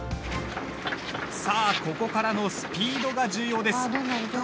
さあここからのスピードが重要です。